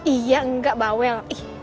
iya enggak bawel